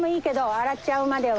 洗っちゃうまでは。